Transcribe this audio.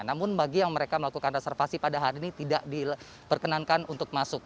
namun bagi yang mereka melakukan reservasi pada hari ini tidak diperkenankan untuk masuk